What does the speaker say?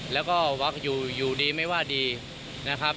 แล้วก็ว่าอยู่ดีไม่ว่าดีนะครับ